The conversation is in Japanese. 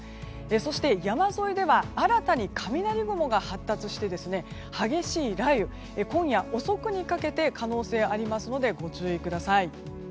そして、山沿いでは新たに雷雲が発達して激しい雷雨今夜遅くにかけて可能性がありますのでご注意ください。